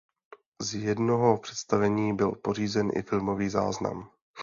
Z jednoho představení byl pořízen i filmový záznam.